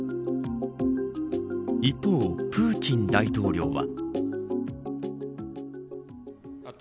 一方、プーチン大統領は。